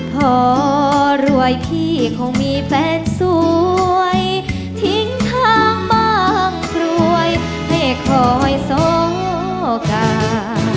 พอรวยพี่คงมีแฟนสวยทิ้งทางบ้างรวยให้คอยสงกา